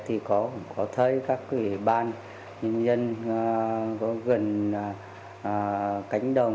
thì cũng có thấy các kỷ ban nhân dân gần cánh đồng